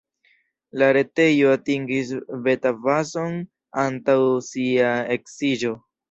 La retejo atingis beta-fazon antaŭ sia eksiĝo.